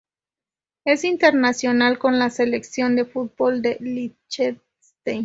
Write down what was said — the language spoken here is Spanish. Es internacional con la selección de fútbol de Liechtenstein.